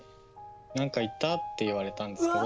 「何か言った？」って言われたんですけど。